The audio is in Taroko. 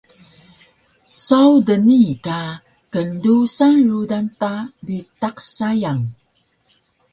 Saw dnii ka kndusan rudan ta bitaq sayang